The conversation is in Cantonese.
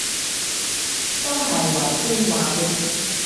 都係維基話嘅